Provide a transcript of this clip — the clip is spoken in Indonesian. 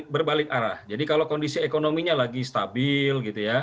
berbalik arah jadi kalau kondisi ekonominya lagi stabil